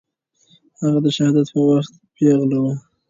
هغه د شهادت په وخت پېغله وه.